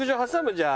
じゃあ。